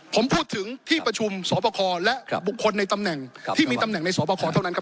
ผมพูดถึงที่ประชุมสอบคอและบุคคลในตำแหน่งที่มีตำแหน่งในสอบคอเท่านั้นครับ